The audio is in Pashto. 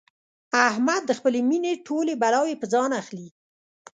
احمد د خپلې مینې ټولې بلاوې په ځان اخلي.